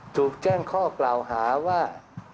ถูกแจ้งข้อกล่าวหาว่า